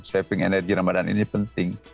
saving energi ramadan ini penting